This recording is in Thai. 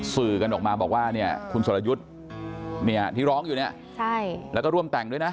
สื่อกันออกมาบอกว่าคุณสวรรยุทธ์ที่ร้องอยู่แล้วก็ร่วมแต่งด้วยนะ